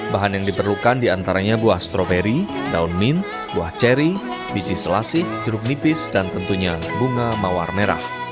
bahan yang diperlukan diantaranya buah stroberi daun mint buah ceri biji selasih jeruk nipis dan tentunya bunga mawar merah